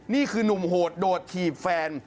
นี่คือนุ่มโหดโดดถีบแฟน